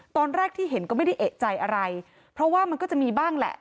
ตอนแรกที่เห็นก็ไม่ได้เอกใจอะไรเพราะว่ามันก็จะมีบ้างแหละ